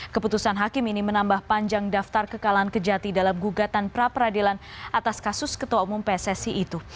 keputusan hakim ini menambah panjang daftar kekalahan kejati dalam gugatan pra peradilan atas kasus ketua umum pssi itu